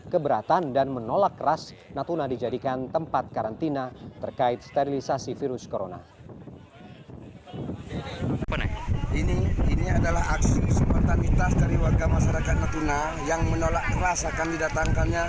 keberatan dan menolak keras natuna dijadikan tempat karantina terkait sterilisasi virus corona